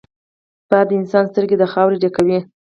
باد د انسان سترګې د خاورو ډکوي